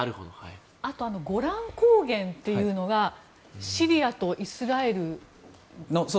あとゴラン高原というのがシリアとイスラエルの。